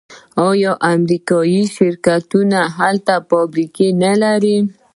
آیا امریکایی شرکتونه هلته فابریکې نلري؟